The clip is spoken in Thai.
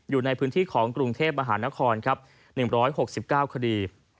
อยู่ในพื้นที่ของกรุงเทพมหานครครับ๑๖๙คดี